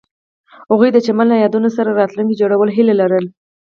هغوی د چمن له یادونو سره راتلونکی جوړولو هیله لرله.